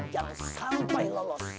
jangan sampai lolos